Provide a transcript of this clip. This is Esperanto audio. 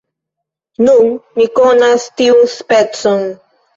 Nun mi konas tiun specon.